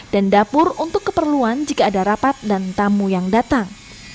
dan dapur untuk keperluan jika ada rapat dan tamu yang datang